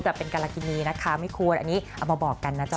ซึ่งการกินนี้นะคะไม่ควรอันนี้เอามาบอกกันนะจ๊ะ